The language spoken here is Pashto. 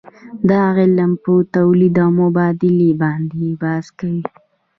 دا علم په تولید او مبادلې باندې بحث کوي.